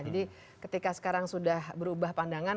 jadi ketika sekarang sudah berubah pandangan